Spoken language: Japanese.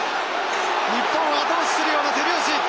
日本を後押しするような手拍子！